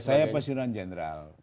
saya pesuruhan general